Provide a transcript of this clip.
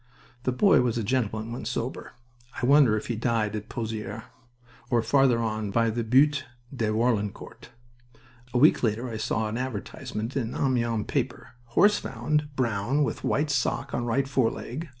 The boy was a gentleman when sober. I wonder if he died at Pozieres, or farther on by the Butte de Warlencourt... A week later I saw an advertisement in an Amiens paper: "Horse found. Brown, with white sock on right foreleg.